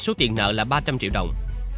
số tiền nợ là ba trăm linh triệu đồng